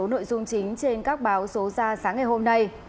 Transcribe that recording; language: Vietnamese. và một số nội dung chính trên các báo số ra sáng ngày hôm nay